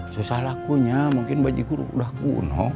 susah lakunya mungkin baji guru udah kuno